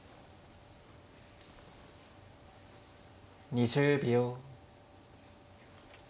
２０秒。